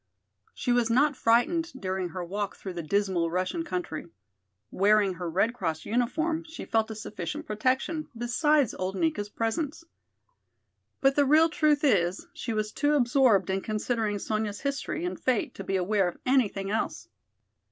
She was not frightened during her walk through the dismal Russian country. Wearing her Red Cross uniform she felt a sufficient protection, besides old Nika's presence. But the real truth is she was too absorbed in considering Sonya's history and fate to be aware of anything else.